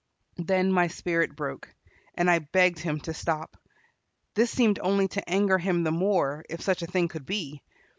Then my spirit broke, and I begged him to stop. This seemed only to anger him the more, if such a thing could be.